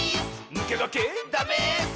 「ぬけがけ」「ダメス！」